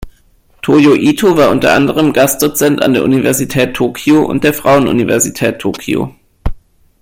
Toyo Ito war unter anderem Gastdozent an der Universität Tokio und der Frauenuniversität Tokio.